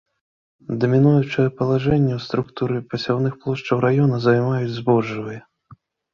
Дамінуючае палажэнне ў структуры пасяўных плошчаў раёна займаюць збожжавыя.